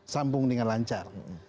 sambung dengan lancar